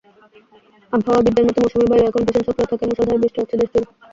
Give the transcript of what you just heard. আবহাওয়াবিদদের মতে, মৌসুমি বায়ু এখন ভীষণ সক্রিয় থাকায় মুষলধারে বৃষ্টি হচ্ছে দেশজুড়ে।